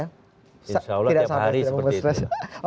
insya allah tiap hari seperti itu